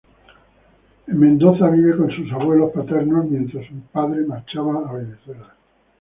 En Mendoza vive con sus abuelos paternos, mientras su padre marchaba a Venezuela.